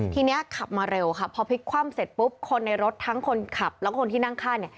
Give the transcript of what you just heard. ทีนี้ขับมาเร็วค่ะพอพลิกคว่ำเสร็จปุ๊บคนในรถทั้งคนขับแล้วก็คนที่นั่งข้างเนี่ย